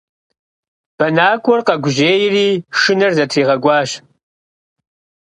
Бэнакӏуэр къэгужьейри шынэр зытригъэкӏуащ.